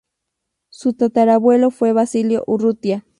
Su tatarabuelo fue Basilio Urrutia.